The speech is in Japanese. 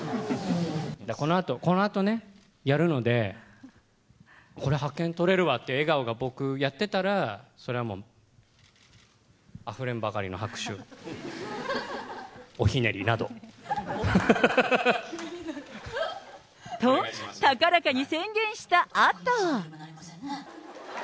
このあと、このあとね、やるのでこれ、覇権取れるわって笑顔が、僕、やってたら、それはもう、あふれんばかりの拍手を、おひねりなど。と、高らかに宣言したあとは。